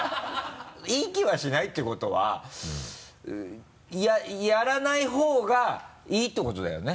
いい気はしないってことはやらない方がいいってことだよね？